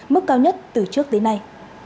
mức cao nhất từ trước đến nay